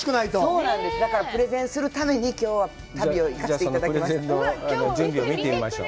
だから、プレゼンするために旅に行かせていただきました。